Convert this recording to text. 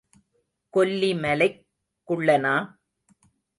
கொல்லிமலைக் குள்ளனா?